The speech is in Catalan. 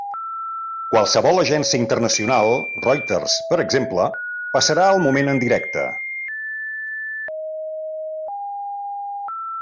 Qualsevol agència internacional, Reuters, per exemple, passarà el moment en directe.